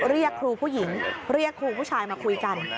เรียกครูผู้หญิงเรียกครูผู้ชายมาคุยกัน